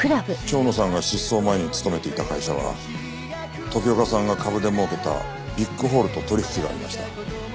蝶野さんが失踪前に勤めていた会社は時岡さんが株で儲けたビッグホールと取引がありました。